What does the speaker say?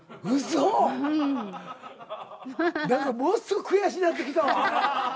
何かものすご悔しなってきたわ。